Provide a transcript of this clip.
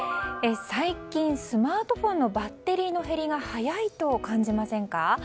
最近スマートフォンのバッテリーの減りが早いと感じませんか？